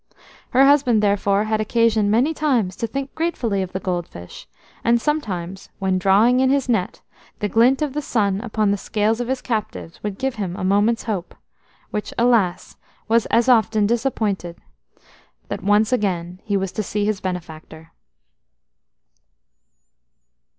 Her husband therefore had occasion many times to think gratefully of the gold fish, and sometimes when drawing in his net the glint of the sun upon the scales of his captives would give him a moment's hope–which, alas! was as often disappointed–that once again he was to see his benefactor.